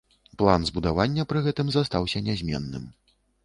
План збудавання пры гэтым застаўся нязменным.